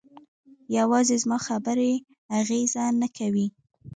یوازې زما خبرې اغېزه نه کوي.